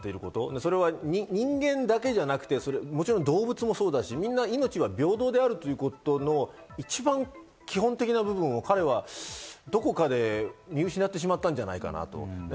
それは人間だけではなくて、動物もそうだし、命は平等であるということの一番基本的なところを彼はどこかで見失ってしまったんじゃないかなと。